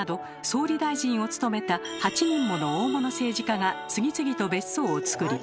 総理大臣を務めた８人もの大物政治家が次々と別荘を造り